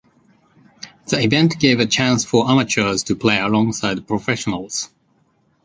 The event gave a chance for amateurs to play alongside professionals.